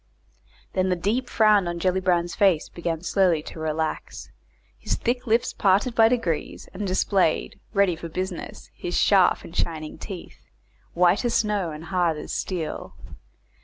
Then the deep frown on Gellibrand's face began slowly to relax, his thick lips parted by degrees, and displayed, ready for business, his sharp and shining teeth, white as snow and hard as steel.